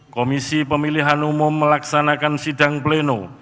komisi pemilihan umum melaksanakan sidang pleno